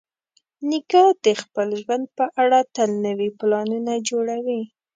نیکه د خپل ژوند په اړه تل نوي پلانونه جوړوي.